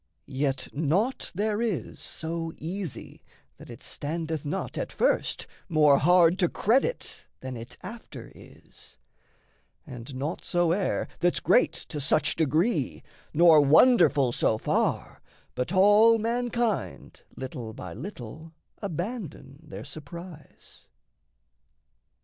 Yet naught there is So easy that it standeth not at first More hard to credit than it after is; And naught soe'er that's great to such degree, Nor wonderful so far, but all mankind Little by little abandon their surprise.